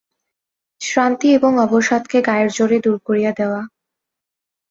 শ্রান্তি এবং অবসাদকে গায়ের জোরে দূর করিয়া দেওয়া।